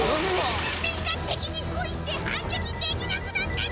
みんな敵に恋して反撃できなくなったチュン！